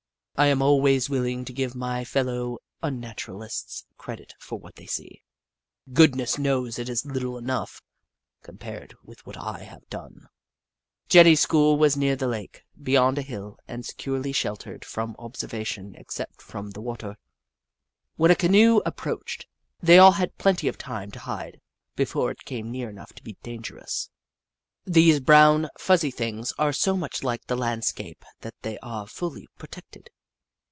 I am always willing to give my fellow Unna turalists credit for what they see. Goodness knows it is little enough, compared with what I have done. Jenny's school was near the lake, beyond a hill, and securely sheltered from observation except from the water. When a canoe ap proached, they all had plenty of time to hide before it came near enough to be dangerous. These brown, fuzzy things are so much like the landscape that they are fully protected.